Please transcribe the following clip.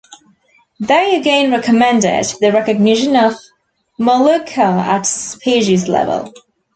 They again recommended the recognition of "molucca" at species level.